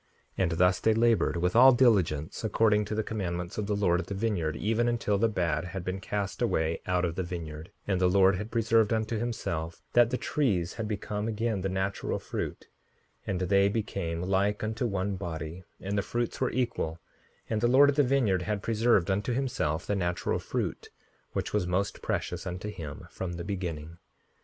5:74 And thus they labored, with all diligence, according to the commandments of the Lord of the vineyard, even until the bad had been cast away out of the vineyard, and the Lord had preserved unto himself that the trees had become again the natural fruit; and they became like unto one body; and the fruits were equal; and the Lord of the vineyard had preserved unto himself the natural fruit, which was most precious unto him from the beginning.